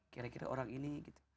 kira kira orang ini gitu